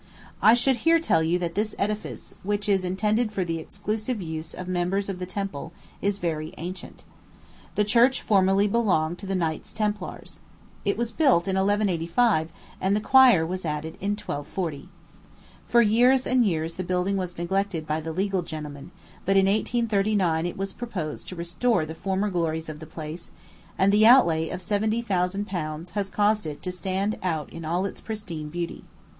I should here tell you that this edifice, which is intended for the exclusive use of members of the Temple, is very ancient. The church formerly belonged to the Knights Templars. It was built in 1185, and the choir was added in 1240. For years and years the building was neglected by the legal gentlemen; but in 1839 it was proposed to restore the former glories of the place, and the outlay of seventy thousand pounds has caused it to stand out in all its pristine beauty.